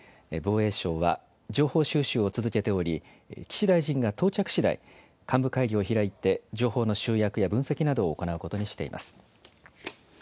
防衛省は、情報収集を続けており、岸大臣が到着しだい、幹部会議を開いて、情報の集約や分析などを行うことにしています。